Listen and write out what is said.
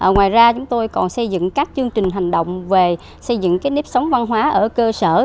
ngoài ra chúng tôi còn xây dựng các chương trình hành động về xây dựng nếp sống văn hóa ở cơ sở